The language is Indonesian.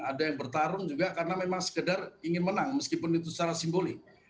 ada yang bertarung juga karena memang sekedar ingin menang meskipun itu secara simbolik